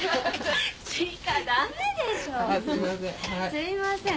すいません。